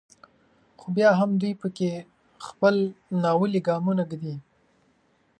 خو بیا هم دوی په کې خپل ناولي ګامونه ږدي.